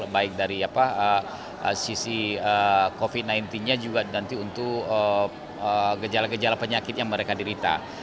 baik dari sisi covid sembilan belas nya juga nanti untuk gejala gejala penyakit yang mereka dirita